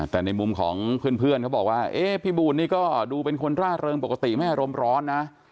แต่ในมุมของเพื่อนเขาบอกว่าเอ๊ะพี่บูลนี่ก็ดูเป็นคนร่าเริงปกติไม่อารมณ์ร้อนนะ